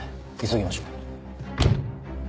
急ぎましょう。